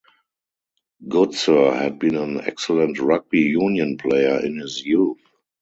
Goodsir had been an excellent rugby union player in his youth.